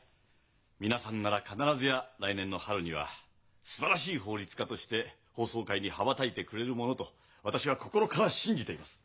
皆さんなら必ずや来年の春にはすばらしい法律家として法曹界に羽ばたいてくれるものと私は心から信じています。